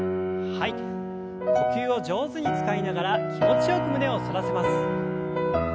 呼吸を上手に使いながら気持ちよく胸を反らせます。